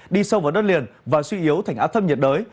đi sâu vào đất liền và suy yếu thành áp thấp nhiệt đới